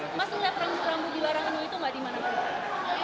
masih gak perambu perambu di warang anu itu gak dimana mana